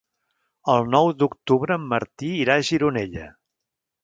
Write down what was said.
El nou d'octubre en Martí irà a Gironella.